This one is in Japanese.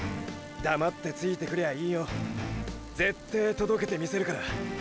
黙ってついてくりゃあいいよ。ぜってー届けてみせるから。